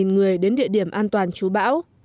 một mươi người đến địa điểm an toàn chú bão